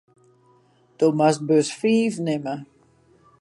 Do moatst bus fiif nimme.